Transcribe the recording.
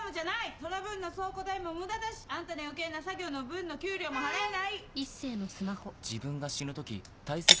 その分の倉庫代も無駄だしあんたの余計な作業の分の給料も払えない！